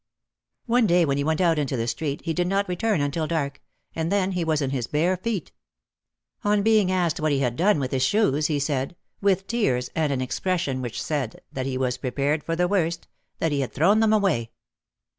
One day when he went out into the street he did not return until dark, and then he was in his bare feet. On being asked what he had done with his shoes he said, with tears and an expression which said that he was prepared for the worst, that he had thrown them away.